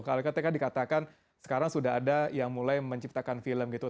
kalau katanya kan dikatakan sekarang sudah ada yang mulai menciptakan film gitu